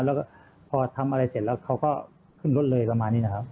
แล้วก็พอทำอะไรเสร็จแล้วเขาก็ขึ้นรถเลยประมาณนี้นะครับ